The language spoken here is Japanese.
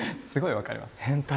分かります。